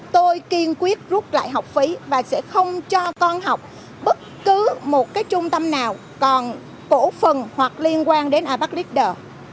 tôi kiên quyết rút lại học phí và sẽ không cho con học bất cứ một trung tâm nào còn cổ phần hoặc liên quan đến albert leicester